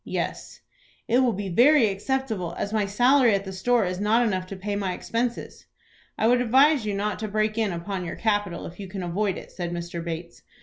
"Yes." "It will be very acceptable, as my salary at the store is not enough to pay my expenses." "I would advise you not to break in upon your capital if you can avoid it," said Mr. Bates.